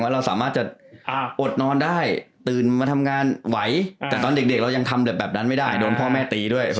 เราสามารถจะอดนอนได้ตื่นมาทำงานไหวแต่ตอนเด็กเรายังทำแบบนั้นไม่ได้โดนพ่อแม่ตีด้วย